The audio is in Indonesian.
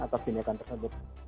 atau kiniakan tersebut